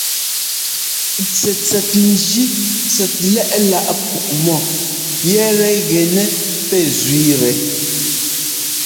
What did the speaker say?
Tsɛtsɛt njí tsɛt lɛ́ꞌláꞌ kuꞌmɔ yɛtɛ gɛnɛ pɛ zẅíitɛ.